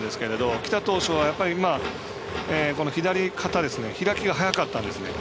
きた当初は左肩開きが早かったんですね。